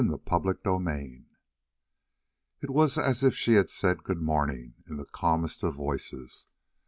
CHAPTER 33 It was as if she had said: "Good morning!" in the calmest of voices.